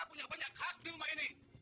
punya banyak hak di rumah ini